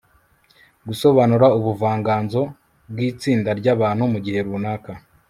gusobanura ubuvanganzo bwitsinda ryabantu mugihe runaka